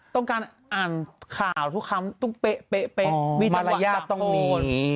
ต้องการอ่านข่าวทุกคำต้องเป๊ะเป๊ะเป๊ะมีจังหวะต้องมี